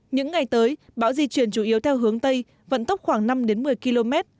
những ngày tới bão di chuyển chủ yếu theo hướng tây vận tốc khoảng năm một mươi km